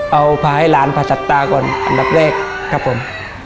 เอาพาให้หลานผ่าตัดตาก่อนอันดับแรกครับผม